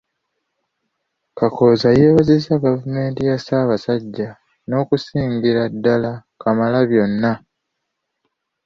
Kakooza yeebazizza Gavumenti ya Ssabasajja, n'okusingira ddala Kamalabyonna.